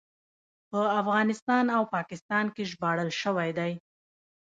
په افغانستان او پاکستان کې ژباړل شوی دی.